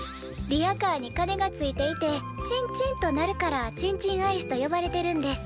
リヤカーにかねがついていてチンチンと鳴るからチンチンアイスと呼ばれてるんです。